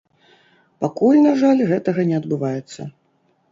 Пакуль, на жаль, гэтага не адбываецца.